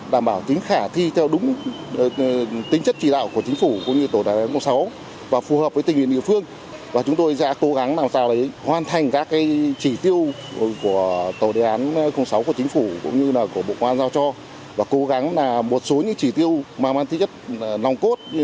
đến đích trước thời hạn